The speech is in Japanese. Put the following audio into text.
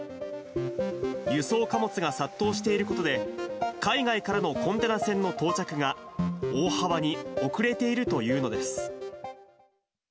輸送貨物が殺到していることで、海外からのコンテナ船の到着が、大幅に遅れているというのです。